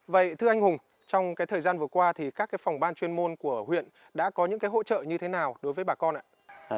vậy thưa anh hùng trong thời gian vừa qua thì các phòng ban chuyên môn của huyện đã có những hỗ trợ như thế nào đối với bà con ạ